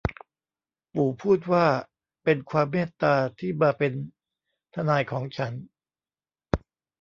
ปู่พูดว่า เป็นความเมตตาที่มาเป็นทนายของฉัน